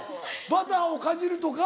バターをかじるとか。